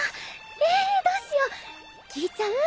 えどうしよう聞いちゃう？